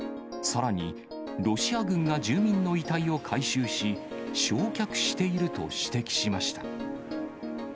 さらにロシア軍が住民の遺体を回収し、焼却していると指摘しました。